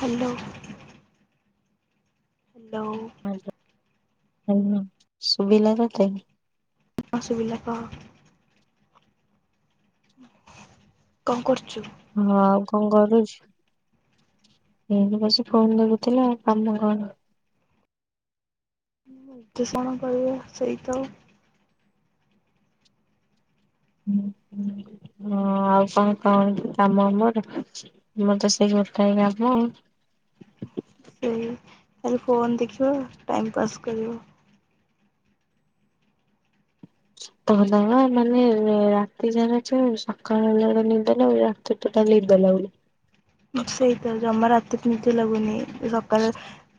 Hello hello Subila ତତେ? ହଁ ସୁବିଲା କହ କଣ କରୁଚୁ? ହଁ ଆଉ କଣ ଘରେ ଅଛି? ଏମିତି ବସିକି ଫୋନ୍ ଦେଖୁଥିଲ ଆଉ କାମ କଣ। [unintelligible] ସେଇତ ହଁ ଆଉ କଣ କଣ କାମ ଆମର। ଆମର ତ ସେଇ ଗୋଟାଏ କାମ। ସେଇ ଖାଲି ଫୋନ୍ ଦେଖିବ ଟାଇମ୍ ପାସ୍ କରିବ। ତଦବା ମାନେ ରାତିସାରା ଚେଇଁବୁ ସକାଳ ବେଳେ ନିଦଲାଗିବା। ତୁଟ ଟାଲି ନିଦ ଲାଗୁଛି। ସେଇତ ଜମା ରାତି କେମିତି ଲାଗୁନି ସକାଳ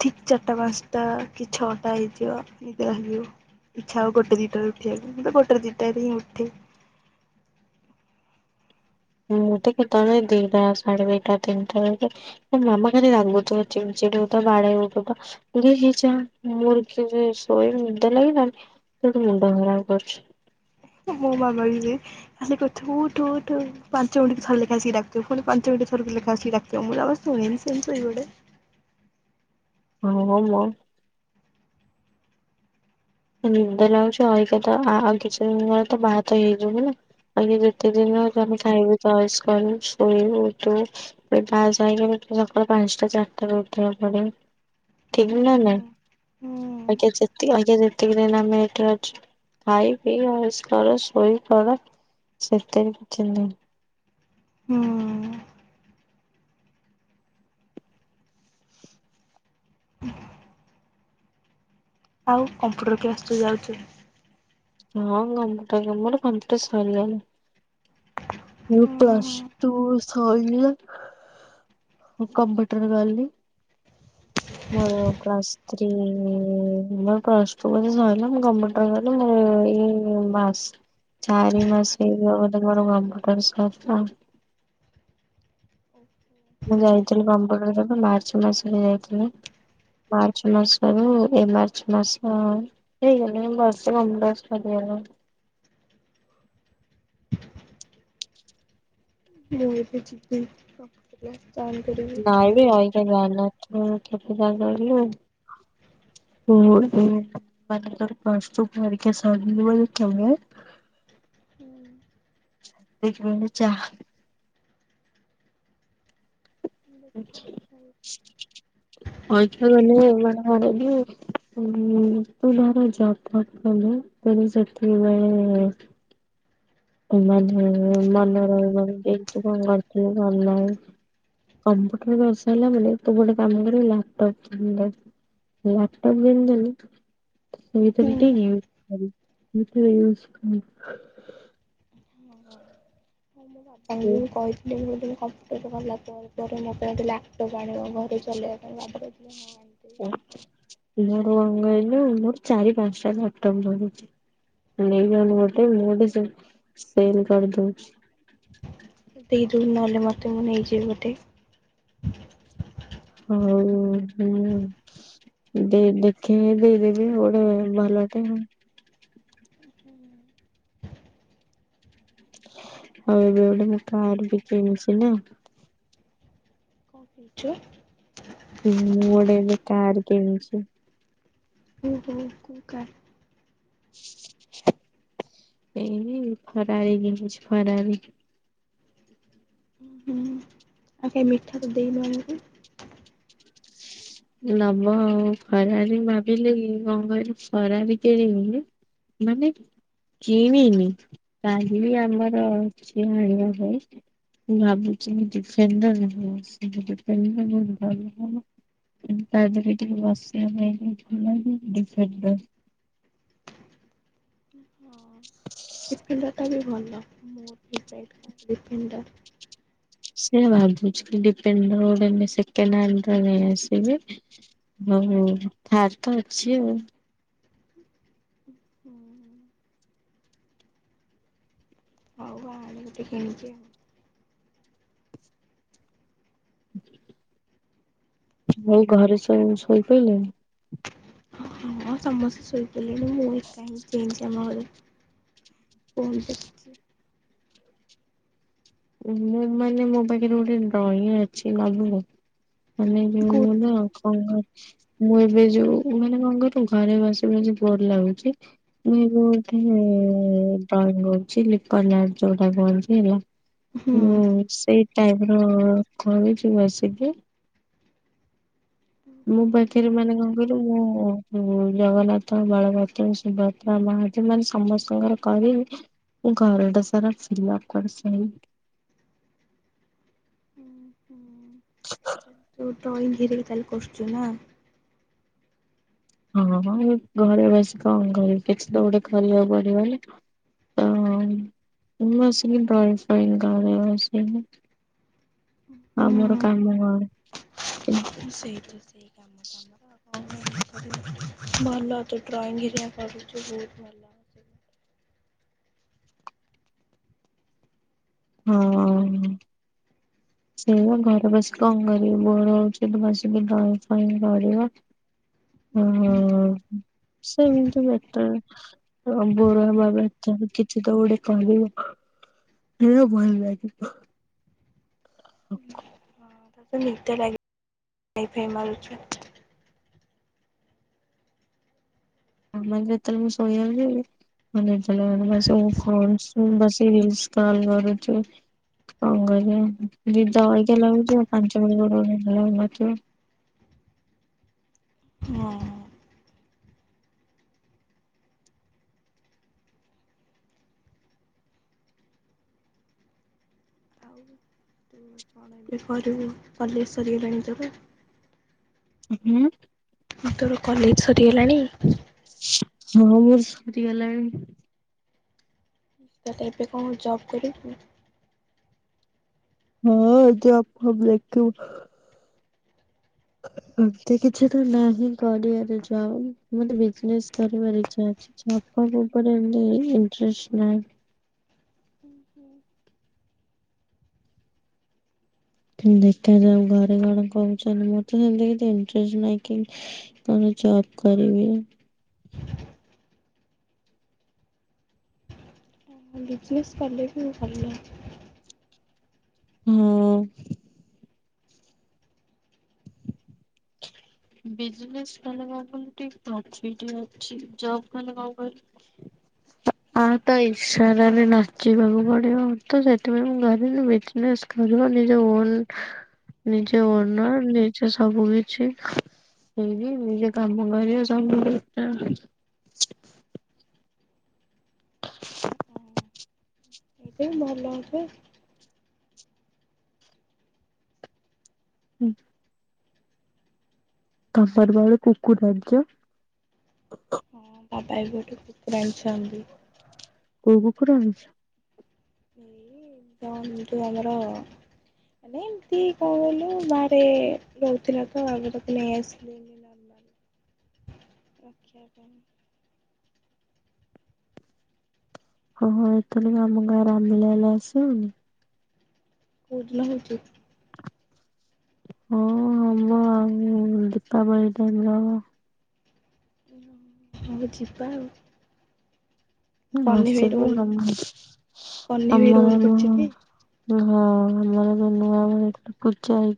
ଚାରିଟା ପାଞ୍ଚଟା କି ଛଅଟା ହେଇଯିବ ନିଦ ଭାଙ୍ଗିବା। ଥାଉ ଗୋଟେ ଦିଟରେ ଉଠିବାକୁ ଗୋଟ ଦିଇଟାରେ ହିଁ ଉଠେ। ହୁଁ ମୁଁ କେତେବେଳେ ଦିଟା ସାଢେ ଦିଟା ତିନିଟା ବେ ମାମା ଖାଲି ରାଗୁଥିବ, ଚିଡ଼ ଚିଡ ହଉଥିବ, ବାଡ଼େଇ ହଉଥିବ। [unintelligible] ଶୋଇବି ନିଦ ଲାଗିଲାଣି, ସେ ଗୋଟେ ମୁଣ୍ଡ ଖରାପ କରୁଛି। ମୋ ମା ମାଇଲେ। ଖାଲି କହୁଥିବା ଉଠୁ ଉଠୁ ପାଞ୍ଚ ମିନିଟ କି ଥରେ ଲେଖାଏ ସିଏ ଡାକୁଥିବ। ପୁଣି ପାଞ୍ଚ ମିନିଟ କି ଥରେ ଲେଖାଏ ସିଏ [unintelligible] ମୁଁ ଶୁଣେନି ପୁଣି ଶୋଇପଡ଼େ। [unintelligible] ନିନ୍ଦ ଲାଗୁଛି [unintelligible] ତ ଆଉ ଆଉ କିଛି ଦିନି ପରେ ତୁ ବାହା ତ ହେଇଯିବୁ। ଏଇନା ଯେତେ ଦିନି ଅଛନ୍ତି ଖାଇବୁ ଅଏସ୍ କରିବୁ ଶୋଇବୁ ଉଠିବୁ। ଫେଣି ବାହାସା ହେଇଗଲେ ସକାଳୁ ପାଞ୍ଚଟା ଚାରିଟାରୁ ଉଠିବାକୁ ପଡେ। ଠିକ୍ ନା ନା ହୁଁ ଆଜ୍ଞା ହୁଁ ଯେତି ଆଜ୍ଞା ଯେତିକି ଦିନି ଆମେ ଏଠାରେ ଅଛୁ ଖାଇ ପି ଅଏସ୍ କର ଶୋଇ ପଡ ସେଥିରେ କିଛି ନାହିଁ। ହୁଁ। [inaudible] ଆଉ କମ୍ପ୍ୟୁଟର କ୍ଲାସ୍ ଯୋଉ ଯାଉଚୁ। ହଁ କମ୍ପ୍ୟୁଟର ମୋର କମ୍ପ୍ୟୁଟର ସରିଲାଣି। ମୋର ପ୍ଲସ୍ ଟୁ ସଇଲା ମୁଁ କମ୍ପ୍ୟୁଟର ଗଲି। ମୋର ପ୍ଲସ୍ ଥ୍ରୀ ମୋର ପ୍ଲସ୍ ଟୁ [unintelligible] ସଇଲା ମୁଁ କମ୍ପ୍ୟୁ [unintelligible] ଏଇ ମାସ ଚାରି ମାସ ହେଇଗଲା ବୋଧେ ମୋର କମ୍ପ୍ୟୁଟର ସରିଲା। ମୁଁ ଯାଇଥିଲି କମ୍ପ୍ୟୁଟରକୁ ମାର୍ଚ୍ଚ ମାସରେ ଯାଇଥିଲି। ମାର୍ଚ୍ଚ ମାସରୁ ଏ ମାର୍ଚ୍ଚ ମାସ ହେଇଗଲାଣି [unintelligible] ମୁଁ ଏବେ ଯିବି ରଖିଦିଅ। ଜଏନ୍ କରିବି। ନାଇ ବେ [unintelligible] [unintelligible] ମାନେ ତୋର ପ୍ଲସଟୁ ପରୀକ୍ଷା ସରିଯିବଣି କେବେ? [unintelligible] ଦେଖିବା ଆଛା କଣ ଅଇଖା ମାନେ ଏମାନେ କଣ ରେଡି? ଭାର ଜବଦକଲେ ତେଣୁ ସେଥିପାଇଁ [unintelligible] କମ୍ପ୍ୟୁଟର ସରିଲାପରେ ତୁ ଗୋଟେ କାମ କରିବୁ ଲାପଟପ ଲାପଟପବି ଆଣିକି ଦେନି [unintelligible] [unintelligible] ହଁ ହଁ ହଉ ମୁଁ ବାପାଙ୍କୁ କହିଚି। ବ ବହୁତ ଦିନ କମ୍ଫର୍ଟେବଲ ହେଲା ପରେ ମୋ ପାଇଁ ଲ ଆପଟପ୍ ଆଣିବ ଘରେ ଚଳେଇବା ପାଇଁ ଆଣିଦେବି। ଓହୋ କଣ କହିଲୁ? ଚାରି ପାଞ୍ଚଟା ଲାପଟପ ଅଛି। ନେଇଯାଉନୁ ଗୋଟେ ମୁଁ ଗୋଟେ ସେଲ କରିଦଉଛି ଦେଇଦବୁ ନହେଲେ ମତେ ମୁଁ ନେଇଯିବି ଗୋଟେ ହଉ ହୁଁ ଦେଇ ଦେଖେ ଦେଇଦେବି ଗୋଟେ ଭଲ ଟେ ହୁଁ ହଉ ଏବେ ଗୋଟେ ମୁଁ କାର ବି କିଣିଛି ନା। କଣ କହୁଛେ? ମୁଁ ଗୋଟେ ଏବେ କାର କିଣିଛି। ଓ ହୋ କୋଉ [unintelligible] ଏଇ ଫରାରୀ କିଣିଛି ଫରାରୀ। ହୁଁ ହୁଁ। ଆଉ କାଇଁ ମିଠା ତ ଦେଇନ ଆମକୁ। ନବ ଆଉ ଫରାରୀ ମୁଁ ଭାବିଲି କଣ କହିଲୁ ଫରାରୀ କିଣିମି। ମାନେ କିଣିନି କାଲି ଆମର ଅଛି ଆଣିବା ପାଇଁ। ମୁଁ ଭାବୁଛି ଡିଫେଣ୍ଡରଲ ଡିଫେଣ୍ଡର ବହୁତ୍ ଭଲ ହବ। ତଦେହରେ ଟିକେ ବସିବାପାଇଁ ଥିଲାକି ଡିଫେଣ୍ଡର। ହଁ ଡିଫେଣ୍ଡରଟାବି ଭଲ ମୋର ବି ଦରକାର ଡିଫେଣ୍ଡର। ସେଇଆ ଭାବୁଛି, ଡିପେଣ୍ଡର ଗୋଟେ ସେକେଣ୍ଡ ହାଣ୍ଡର ନେଇ ଆସିବି। ହ ଫାଷ୍ଟ ତ ଅଛି ଆଉ ହୁଁ ହଉ ବାହାରୁ ଗୋଟେ କିଣିଛି ଆଉ [inaudible] ହଉ ଘରେ ସବୁ ଶୋଇପଡିଲେଣି? ହଁ ସମସ୍ତେ ଶୋଇପଡିଲେଣି ମୁଁ ଏକା ଚେଇଁଛି। କଣ ଦେଖୁଛୁ? ମୁଁ ମାନେ ମୋ ପାଖରେ ଗୋଟେ ଡ୍ରଇଂ ଅଛି ନବୁ। ମାନ ଯ ହୁଁ। ଆଉ କଣ ଘ ମୁଁ ଏବେ ଯୋଉ ମାନେ କଣ କହିଲୁ ଘରେ ବସିି ବସି ବୋର ଲାଗୁଛି। ମୁଁ ଏ ଗୋଟେ ଡ୍ରଇଁ କରୁଛ କହନ୍ତି ହେଲା ହୁଁ ସେଇ ଟାଇପ ର କରୁଚୁ ବସିକି। ମୋ ପାଖରେ ମାନେ କଣ? ରୁ ମୁଁ ଜଗନ୍ନାଥ ବଳଭଦ୍ର ସୁଭଦ୍ରା ମହାନ୍ତି ମାନେ ସମସ୍ତଙ୍କର କ ମୁଁ ଘରଟା ସାରା ଫିଲପ କରି ହୁଁ ତା ହେଲେ ତୁ ଡ୍ରଇଂ ଧିରେ କରୁଛୁ ନା। ହଁ ଘରେ ବସି କଣ କରିବି କିଛି ତ ଗୋଟେ କରିବାକୁ ପଡିବନା। ହଁ ମୁଁ ସେମିତ ଡ୍ରଇଁ ଫ୍ରଇଁ କରେ। ଆମର କାମ କଣ ତ ସେଇ ତ ସେଇ କାମ। ଭଲ ତୁ ଡ୍ରଇଂ କରୁ ବହୁତ ଭଲ। ହଁ ସେଇଆ ଘରେ ବସି କଣ କରିବି, ବୋର ହଉଛି, ବସିକି ଡ୍ରଇଁ ଫ୍ରଇଁ କରିବା। ହ ସେମତି ବେଟର। ହଁ ବୋର ହବା ଅପେକ୍ଷା କିଛି ତ ଗୋଟେ କରିବ। ଇଏ ଭଲ ଲାଗିବ। ହୁଁ ହଁ ତାହେଲେ ତତେ ନିଦ ଲାଗି ଫାଇ ମାରୁଛୁ। ଆଉ ନଏଲେ ଯେତେବେଳେ ମୁଁ ଶୋଇଆ କୁ ଜିବି। ମତେ ନିଦ ଲାଗିବନି ମୁଁ ଏ ସବୁ କନଷ୍ଟାଣ୍ଡ ବସିକି ରିିଲ୍ସ ସ୍କଲ୍ର କରୁଥିବି। କଣ କରିବା ନିଦ ଅଇକା ଲାଗୁଛି ଆଉ ପାଞ୍ଚ ପୂର୍ବ ରୁ ନିଦ ଲାଗୁ ନଥିବ। ହଁ। ଆଉ ତୁ କଣ ଏବେ କରିବୁ କଲଜ ସରିଗଲାଣି ପରା। ହୁଁ। ମୁଁ ତୋର କଲେଜ ସରିଗଲାଣି। ହଁ ମୋର ସରିଗଲାଣି। ତ ତ ଏବେ କଣ ଜବ୍ କରିବୁ। ହଁ ଯବ ଫବ ଦେଖୁଥିବୁ। ଏମିତି କିଛି ତ ନାହିଁ କରିବାର ଯବ ମତେ ବିଜନେସ କରିବାର ଇଛା ଅଛି। ଯବ ଫବ ଉପରେ ଏମିତି ଇଂଟ୍ରେଷ୍ଟ ନାହି। ଦେଖାଯାଉ ଘରେ କଣ କହୁଛନ୍ତି ମୋର ତ ସେମିତି କିଛି ଇଣ୍ଟ୍ରେଷ୍ଟ ନହିଁ କି। କଣ ଜବ କରିବି। ହଁ ବିଜନେସ୍ କଲେ ବି ଭଲ। ହୁଁ। ବିଜନେସ କଲେ କଣ କହିଲୁ ଟିକେ ପ୍ରଫିଟ ଅଛି ଜବ କଲେ କଣ କହିଲୁ। ଆ ତା ଇଶାରାରେ ନାଚିବାକୁ ପଡିବ ତ ସେଥିପାଇଁ ମୁଁ ଭାବିଲି ବିଜନେସ। କରିବ ନିଜ ଓନ ନିଜେ ଓନର ନିଜେ ସବୁ କି ଛି ସେଇବି ନିଜ କାମ କରିବା ସବୁଠୁ ବେଟର। ହଁ ଅଁ। ଏଇଟା ହିଁ ଭଲ ହବ। ହୁଁ। ତମର ବା ଗୋଟେ କୁକୁର ଆଣିଛ। ହଁ ବାବା ଏବେ ଗୋଟେ କୁକୁର ଆଣିଛନ୍ତି। କୋଉ କୁକୁର ଆଣିଛ। ଏଇ ତମ ଯୋଉ ଆମର ‌। ମାନେ ଏମତି କଣ କହିଲୁ ବାହାରେ ରହୁଥିଲା ତ ଆଜି ତାକୁ ନେଇ ଆସିଲୁ। ରଖିବା ପାଇଁ। ହଁ ଏଥରିକ ଆମ ଗାଁ ରାମନିଳା ହେଲେ ଆସିବୁନି ‌। କୋଉ ଦିନ‌ ହଉଛିି। ହଁ ହବ ଦୀପାବଳି ଟାଇମ ରେ ହବ। ତାହେଲେ ହଉ ଯିବା ଆଉ। କହ୍ନେଇ ଭାଇ ଆସିବୁ ରୋଲ ରମନିଳା କହ୍ନେଇ ଭାଇ ଆମର ରୋଲ କରୁଛି ଯୋଉ। ଟି?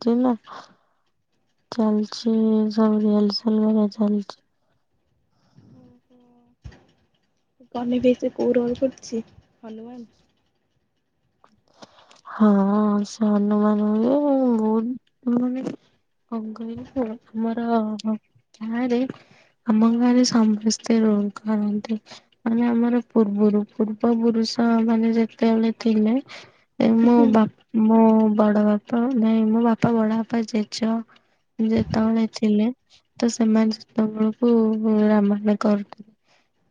[unintelligible] ଚାଲିଛି ସବୁ ରିଏଲସେଲ ଘରିକା ଚାଲିଛି। ଓ ହୋ ତୋ ଗନି ଜେଜେ କୋଉ ରୋଲ କରୁଛି ହନୁମାନ। ହଁ ସେ ହନୁମାନ ହୁଏ ବହୁତ ମାନେ। [unintelligible] ଅମ‌ ଗାଁ ସମସ୍ତେ ରୋଲ କରନ୍ତି। ମାନେ ଆମର ପୂର୍ବରୁ ପୂର୍ବ ପୁରୁଷ ମାନେ ଯେତେବେଳେ ଥିଲେ। ମୋ ବା ମୋ ବଡ ବାପା ନାଇଁ ମୋ ବାପା ବଡ ବାପା ଜେଜ। ଯେତେବେଳେ ଥିଲେ ତ ସେମାନେ ଯେତେବେଳକୁ ରାମାଳିଳା କରୁଥିଲେ।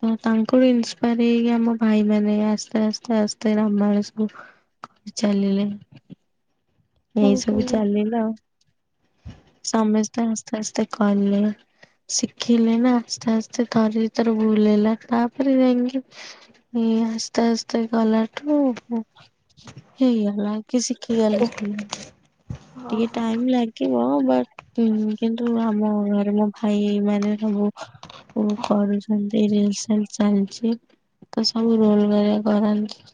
ତ ତାଙ୍କଠୁ ଇନ୍ସପାୟାର ହେଇକି ଆମ ଭାଇ ମାନେ ଆସ୍ତେ ଆସ୍ତେ ଆସ୍ତେ ରାମନିଳା ସବୁ। କରି ଚାଲିଲେ। ଏଇ ସବୁ ଓହୋ ଚାଲିଲା ଆଉ। ସମସ୍ତେ ଆସ୍ତେ ଆସ୍ତେ କଲେ ଶିଖିଲେ ନା ଆସ୍ତେ ଆସ୍ତେ ଥରେ ଦିଥର ଭୁଲ ହେଲା ତାପରେ ଯାଇକି ଏଇ ଆସ୍ତେ ଆସ୍ତେ ଗଲାଠୁ ହେଇଗଲା। କି ଶିଖିଗଲେ ସ୍ ଟିକେ ଓହୋ ଟାଇମ ଲାଗ ଥିବ କିନ୍ତୁ ଆମ ଘରେ ମୋ ଭାଇ ମାନେ ସବୁ ଓ କରୁଛନ୍ତି ରିୟଲ ସିଏଲ୍ ଚାଲିଛି। ତ ସବୁ ରୋଲଗଆ କରାନ୍ତି।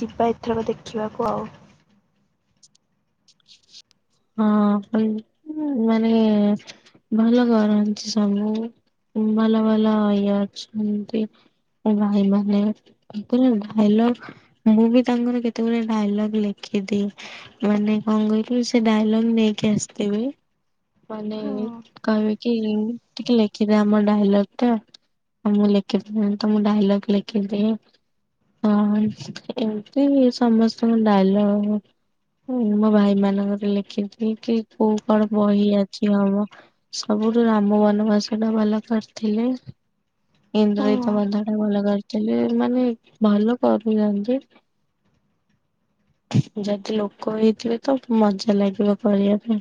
ଯିବା ଏଥରକ ଦେଖିବାକୁ ଆଉ ହଁ ପ ମାନେ ଭଲ କରନ୍ତି ସବୁ ଭଲ ଭଲ ଇଏ ଅଛନ୍ତି। ଭାଇ ମାନେ କହୁଥିଲେ ଡାଇଲଗ ମୁଁ ବି ତାଙ୍କର କେତେ ବେଳେ ଡାଇଲଗ ଲେଖିଦିଏ ମାନେ କଣ କହିଲୁ ସେ ସେ ଡାଇଲଗ୍ ନେଇକି ଆସିଥିବେ ମାନେ ହୁଁ କହିବେ କି ଟିକେ ଲେଖିଦେ ଆମ ଡାଇଲଗ ଟା ମୁଁ ଲେଖିଥିଲି ତ ମୁଁ ଡାଇଲଗ ଲେଖିଦିଏ ହଁ ଏମିତି ସମସ୍ତଙ୍କ ଡାଇଲଗ ହଁ ମୋ ଭାଇ ମାନଙ୍କରେ ଲେଖିଛି କି କୋଉ କଣ ବହି ଅଛି ହବ ସବୁରୁୁ ରାମ ବନବାସ ଟା ଭଲ କରିଥିଲି ହୁଁ। ଇନ୍ଦ୍ରଜିତ ବଧ। ଭଲ କରିଥିଲେ। ମାନେ ଭଲ କରୁଛନ୍ତି ଯଦି ଲୋକ ହେଇଥିବେ ତ ମଜା ତ ଲାଗିବ ପରିବା ପାଇଁ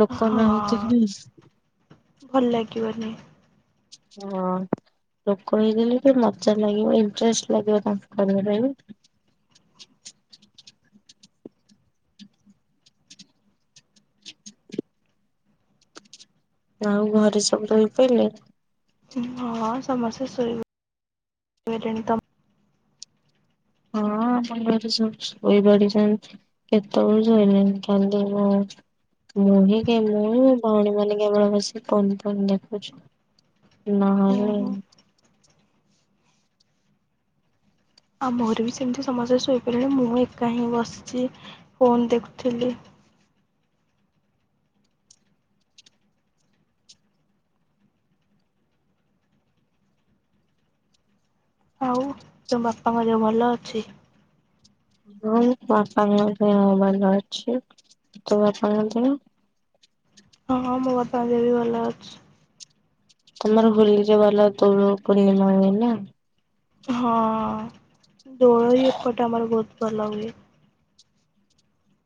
ଲୋକ ହଁ ନ ହେଇଥିଲେ ଭଲ ଲାଗିବନି। ହଁ। ଲୋକ ହେଇଗଲେ ଟିକେ ମଜା ଲାଗିବ ଇଣ୍ଟରେଷ୍ଟ ଲାଗିବ ତାଙ୍କୁ କରିବା ପାଇଁ। ଆଉ ଘରେ ସବୁ ରହିପାରିବେ? ହଁ ସମସ୍ତେ ଶୋଇବେ ସୋଇଲେନି ତମ୍ ହଁ ଆପଣଙ୍କର ତ ସବୁ ଶୋଇ ପଡିଛନ୍ତି କେତେ ବେଳୁ ଶୋଇଲେଣି ଖାଲି ମୁଁ ମୁଁ ହିଁ କେବଳ ଭୋଉଣୀ ମାନେ କେବଳ ବସି ଫୋନ୍ ଫୋନ୍ ଦେଖୁଛୁ। ନାଇ ଓହୋ ଆମ ଘରେ ବି ସେମିତି ସମସ୍ତେ ଶୋଇପଇଲେଣି ମୁଁ ଏକା ହିଁ ବସିଛି ଫୋନ ଦେଖୁଥିଲି। ଆଉ ତମ ବାପାଙ୍କ ଦେହ ଭଲ ଅଛି? ହଁ, ମୋ ବାପାଙ୍କ ଦେହ ଭଲ ଅଛି। ତୋ ବାପାଙ୍କ ଦେହ? ହଁ, ହଁ, ମୋ ବାପା ଙ୍କ ଦେହ ବି ଭଲ ଅଛି। ତମର ହୋଲିରେ ଭଲ ଦୋଳ ପୂର୍ଣ୍ଣିମା ହୁଏ ନା? ହଁ ଦୋଳ ବି ଏପଟେ ଆମର ବହୁତ୍ ଭଲ ହୁଏ।